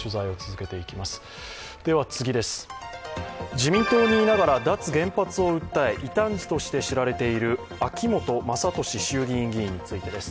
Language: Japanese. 自民党にいながら脱原発を訴え異端児として知られている秋本真利衆議院議員についてです。